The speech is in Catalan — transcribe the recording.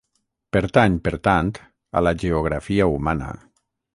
Pertany, per tant, a la geografia humana.